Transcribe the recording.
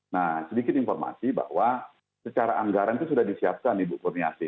nah sedikit informasi bahwa secara anggaran itu sudah disiapkan ibu kurniasi